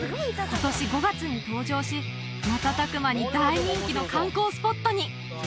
今年５月に登場し瞬く間に大人気の観光スポットに！